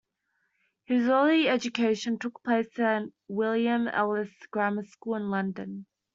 His early education took place at William Ellis Grammar School in London.